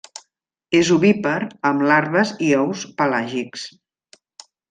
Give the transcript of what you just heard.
És ovípar amb larves i ous pelàgics.